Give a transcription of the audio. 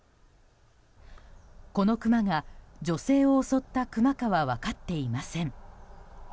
このクマが女性を襲ったクマかは分かっていません。